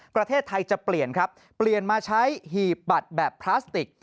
ประเทศไทยจะเปลี่ยนครับเปลี่ยนมาใช้หีบบัตรแบบพลาสติก